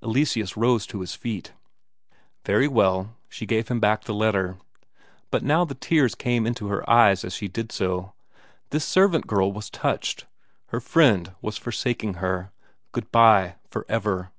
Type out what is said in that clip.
Eleseus rose to his feet. Very well; she gave him back the letter. But now the tears came into her eyes as she did so; this servant girl was touched; her friend was forsaking her good bye for ever!